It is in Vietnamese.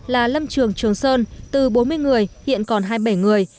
là lâm trường trường sơn từ bốn mươi người hiện còn hai mươi bảy người